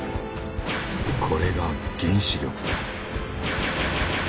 これが「原子力」だ。